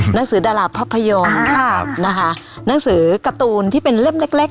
หนังสือดาราภาพยนตร์หนังสือการ์ตูนที่เป็นเล่มเล็กเล็ก